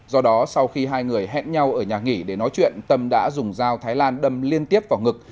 do đó sau khi hai người hẹn nhau ở nhà nghỉ để nói chuyện tâm đã dùng dao thái lan đâm liên tiếp vào ngực